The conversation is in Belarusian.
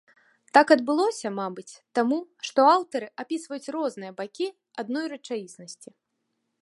Так адбылося, мабыць, таму, што аўтары апісваюць розныя бакі адной рэчаіснасці.